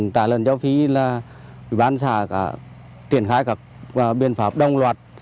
tả lợn châu phi là bán xã tiền khai các biện pháp đông loạt